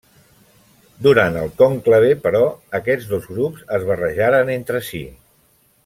Durant el conclave, però, aquests dos grups es barrejaren entre si.